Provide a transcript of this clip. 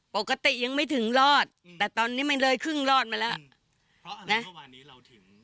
ปกติยังไม่ถึงรอดแต่ตอนนี้มันเลยครึ่งรอดไปแล้ว